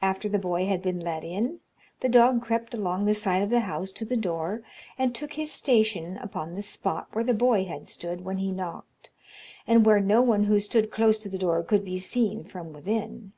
After the boy had been let in, the dog crept along the side of the house to the door, and took his station upon the spot where the boy had stood when he knocked, and where no one who stood close to the door could be seen from within.